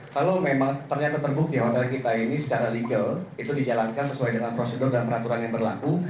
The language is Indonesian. kalau memang ternyata terbukti hotel kita ini secara legal itu dijalankan sesuai dengan prosedur dan peraturan yang berlaku